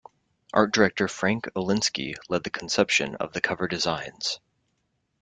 Art director Frank Olinsky led the conception of the cover designs.